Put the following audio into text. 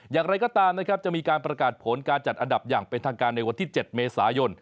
อย่างไรก็ตามนะครับจะมีการประกาศผลการจัดอันดับอย่างเป็นทางการในวันที่๗เมษายน